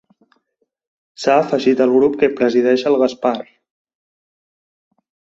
S'ha afegit al grup que presideix el Gaspar.